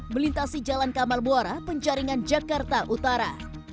melintasi jalan kamal muara penjaringan jakarta utara